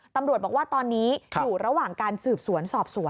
ตำรวจบอกว่าตอนนี้อยู่ระหว่างการสืบสวนสอบสวน